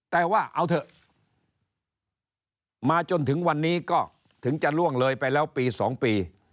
แต่ว่าเอาเถอะมาจนถึงวันนี้ก็ถึงจะล่วงเลยไปแล้วปี๒ปี